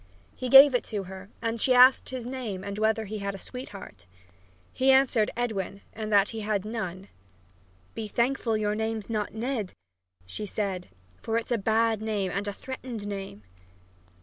He gave it to her and she asked him his name and whether he had a sweetheart. He answered Edwin, and that he had none. "Be thankful your name's not Ned," she said, "for it's a bad name and a threatened name!"